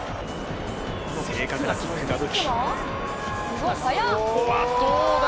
正確なキックが武器。